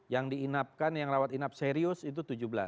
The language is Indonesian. yang diinapkan yang rawat inap serius itu tujuh belas